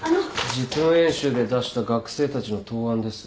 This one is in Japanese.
実務演習で出した学生たちの答案です。